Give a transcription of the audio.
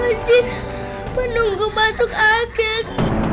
angin menunggu batu akik